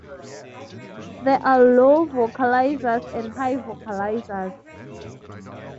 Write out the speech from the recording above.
There are Low-Vocalizers and High-Vocalizers.